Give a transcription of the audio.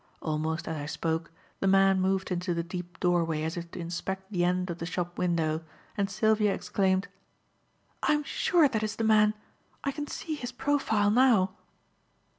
Almost as I spoke, the man moved into the deep doorway as if to inspect the end of the shop window, and Sylvia exclaimed: "I'm sure that is the man. I can see his profile now."